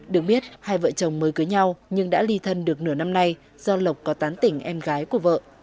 được biết hai vợ chồng mới cưới nhau nhưng đã ly thân được nửa năm nay do lộc có tán tỉnh em gái của vợ